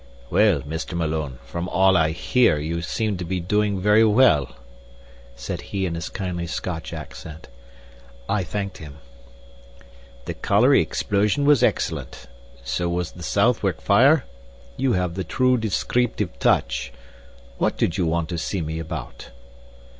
"Well, Mr. Malone, from all I hear, you seem to be doing very well," said he in his kindly Scotch accent. I thanked him. "The colliery explosion was excellent. So was the Southwark fire. You have the true descreeptive touch. What did you want to see me about?"